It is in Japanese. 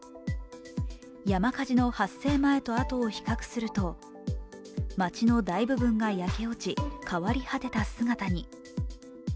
山火事の発生前とあとを比較すると街の大部分が焼け落ち、変わり果てた姿に。